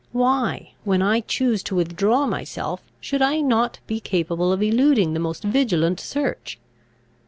Why, when I choose to withdraw myself, should I not be capable of eluding the most vigilant search?